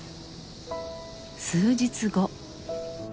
数日後。